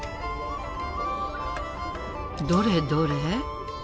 どれどれ？